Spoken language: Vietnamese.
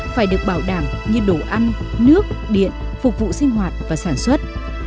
phải được bảo đảm như đồ ăn nước điện phục vụ sinh hoạt và sản xuất